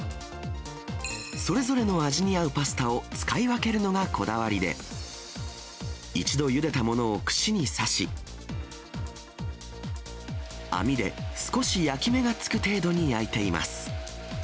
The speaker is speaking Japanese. それぞれの味に合うパスタを使い分けるのがこだわりで、一度ゆでたものを串に刺し、網で少し焼き目が付く程度に焼いています。